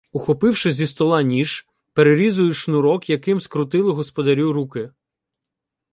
Ухопивши зі стола ніж, перерізую шнурок, яким скрутили господарю руки.